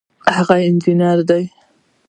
هغه انجینر دی